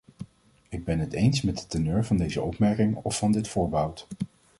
Ik ben het eens met de teneur van deze opmerking of van dit voorbehoud.